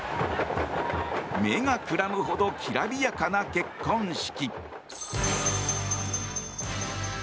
眼が眩むほどきらびやかな結婚式。